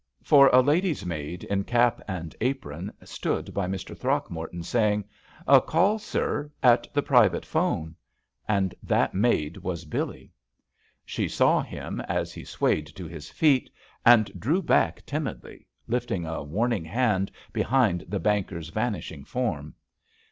For a lady's maid, in cap and apron, stood by Mr. Throck morton, saying: "A call, sir, at the private phone." And that maid was Billee. She saw him as he swayed to his feet, and drew back timidly, lifting a warning hand behind the banker's vanishing form.